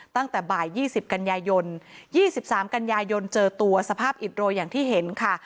ตั้งแต่บ่ายยี่สิบกันยายยนต์ยี่สิบสามกันยายยนต์เจอตัวสภาพอิดโรยอย่างที่เห็นค่ะ